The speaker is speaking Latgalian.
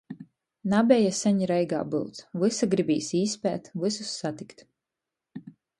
Nabeja seņ Reigā byuts, vysa gribīs īspēt, vysus satikt.